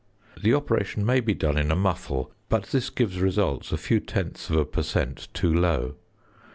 The operation may be done in a muffle, but this gives results a few tenths of a per cent. too low.